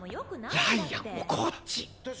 ライアンもこっち！